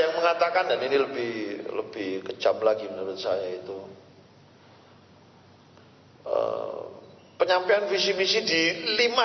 yang mengatakan dan ini lebih lebih kejam lagi menurut saya itu penyampaian visi visi di lima